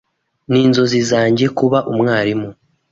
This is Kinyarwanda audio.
Ninzozi zanjye kuba umwarimu.